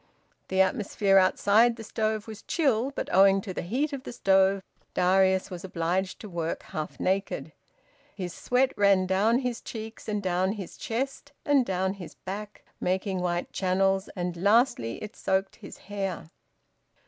The atmosphere outside the stove was chill, but owing to the heat of the stove, Darius was obliged to work half naked. His sweat ran down his cheeks, and down his chest, and down his back, making white channels, and lastly it soaked his hair.